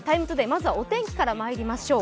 まずはお天気からまいりましょう。